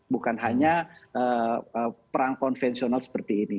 bukan hanya perang konvensional seperti ini